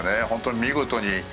本当に見事に。